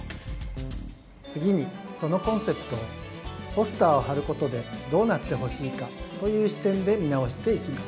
次にそのコンセプトをポスターを貼ることでどうなってほしいかという視点で見直していきます。